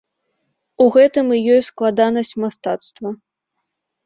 У гэтым і ёсць складанасць мастацтва.